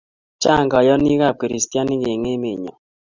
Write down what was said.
Chang' kayonikab kristianik eng' emenyo